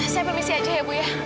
saya permisi aja ya bu ya